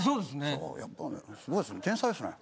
そうやっぱねすごいですね天才ですね。